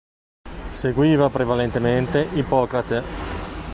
Seguiva prevalentemente Ippocrate.